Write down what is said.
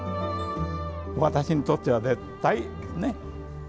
私にとっては絶対ですね。